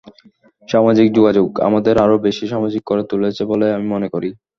সামাজিক যোগাযোগ আমাদের আরও বেশি সামাজিক করে তুলেছে বলে আমি মনে করি।